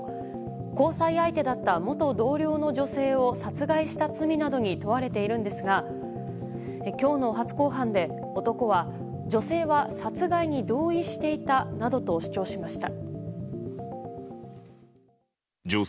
交際相手だった元同僚の女性を殺害した罪などに問われているんですが今日の初公判で男は女性は殺害に同意していたなどと主張しました。